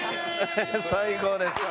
最高です。